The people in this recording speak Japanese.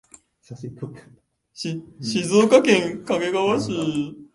静岡県掛川市